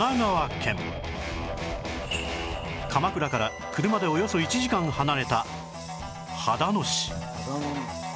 鎌倉から車でおよそ１時間離れた秦野市